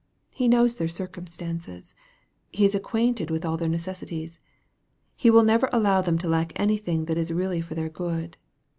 He knows their cir cumstances. He is acquainted with all their necessities. He will never allow them to lack anything that is really for their good.